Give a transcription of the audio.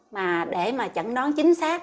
mà để mà chẩn đoán chính xác